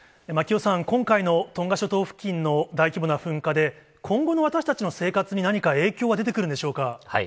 牧尾さん、今回のトンガ諸島付近の大規模な噴火で、今後の私たちの生活に何か影響は出てくるんでしょうか。